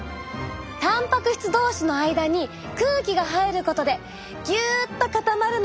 たんぱく質同士の間に空気が入ることでぎゅっと固まるのを防げるんです。